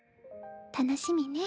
楽しみね。